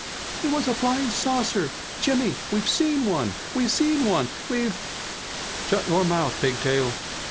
"It was a flying saucer! Jimmy, we've seen one! We've seen one! We've " "Shut your mouth, Pigtail!"